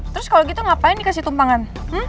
terus kalau gitu ngapain dikasih tumpangan